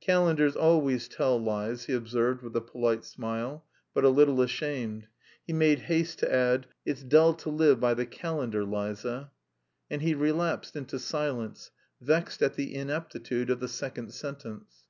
"'Calendars always tell lies,'" he observed with a polite smile, but, a little ashamed; he made haste to add: "It's dull to live by the calendar, Liza." And he relapsed into silence, vexed at the ineptitude of the second sentence.